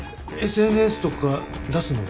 ＳＮＳとか出すの？